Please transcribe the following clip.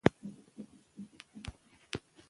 او دې ته مو متوجه کوي